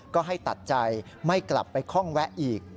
ก็ให้ตัดใจไม่กลับไปคล่องแวะอีก